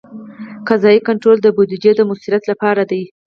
قضایي کنټرول د بودیجې د مؤثریت لپاره دی.